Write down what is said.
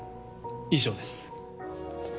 以上です。